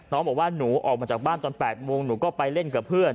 น้องบอกว่าหนูออกมาจากบ้านตอน๘โมงหนูก็ไปเล่นกับเพื่อน